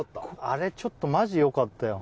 あれちょっとマジよかったよ